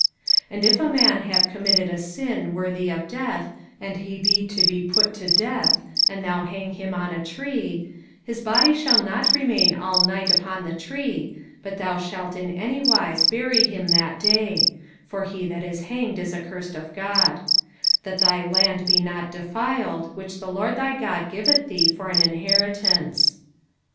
05:021:022 And if a man have committed a sin worthy of death, and he be to be put to death, and thou hang him on a tree: 05:021:023 His body shall not remain all night upon the tree, but thou shalt in any wise bury him that day; (for he that is hanged is accursed of God;) that thy land be not defiled, which the LORD thy God giveth thee for an inheritance.